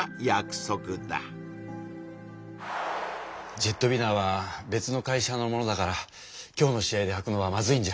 ジェットウィナーは別の会社のものだから今日の試合ではくのはまずいんじゃ？